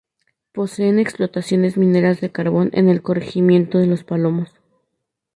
Poseen explotaciones mineras de carbón en el Corregimiento de Los Palomos.